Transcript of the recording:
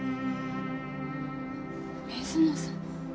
水野さん。